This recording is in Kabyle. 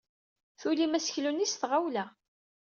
Tulyemt aseklu-nni s tɣawla.